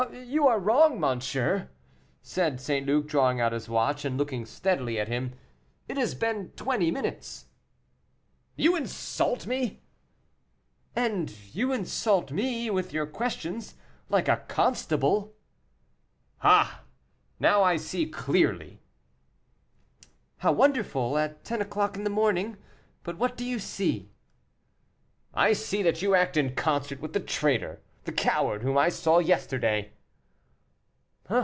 "You are wrong, monsieur," said St. Luc, drawing out his watch, and looking steadily at him; "it has been twenty minutes." "You insult me." "And you insult me with your questions like a constable." "Ah! now I see clearly." "How wonderful, at ten o'clock in the morning. But what do you see?" "I see that you act in concert with the traitor, the coward, whom I saw yesterday."